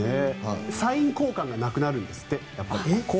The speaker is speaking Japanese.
サイン交換がなくなるんですって。